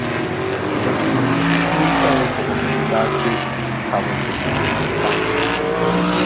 bɛ suhutuntali zuɣu daa chɛ ka bɛ bi tooi baŋ.